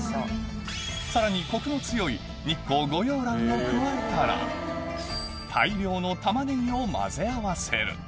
さらにコクの強いを加えたら大量の玉ねぎをまぜ合わせる